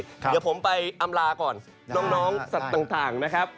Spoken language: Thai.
เดี๋ยวผมไปอำลาก่อนน้องสัตว์ต่างนะครับ